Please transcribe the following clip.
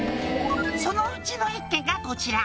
「そのうちの１軒がこちら」